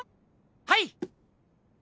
はい。